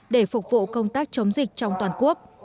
để phục vụ công tác chống dịch trong toàn quốc